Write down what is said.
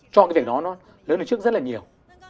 cho cái việc đó nó lớn lên trước rất là nhiều